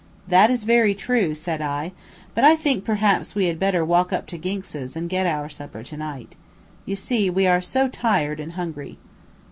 "That is very true," said I, "but I think perhaps we had better walk up to Ginx's and get our supper to night. You see we are so tired and hungry."